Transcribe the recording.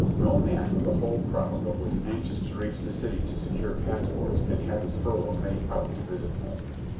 No man of the whole crowd but was anxious to reach the city to secure passports and have his furlough made out to visit home.